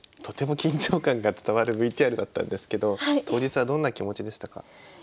とても緊張感が伝わるＶＴＲだったんですけど当日はどんな気持ちでしたか？